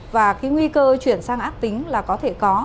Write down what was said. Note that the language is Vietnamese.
và cái nguy cơ chuyển sang ác tính là có thể có